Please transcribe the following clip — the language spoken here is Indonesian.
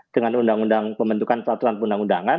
dengan undang undang pembentukan peraturan undang undangan